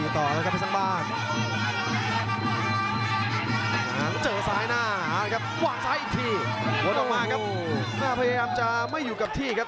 โหดออกมาครับพยายามจะไม่อยู่กับที่ครับ